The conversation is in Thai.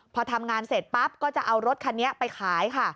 พอทำงานเสร็จปั๊บก็จะเอารถคันนี้ไปขายค่ะ